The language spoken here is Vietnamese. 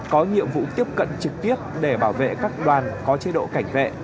có nhiệm vụ tiếp cận trực tiếp để bảo vệ các đoàn có chế độ cảnh vệ